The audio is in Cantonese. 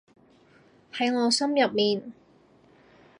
喺我心入面